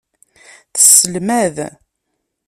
Tesselmad.